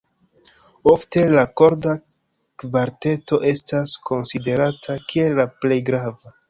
Ofte la korda kvarteto estas konsiderata kiel la plej grava.